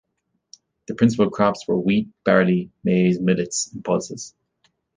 The principal crops were wheat, barley, maize, millets, and pulses.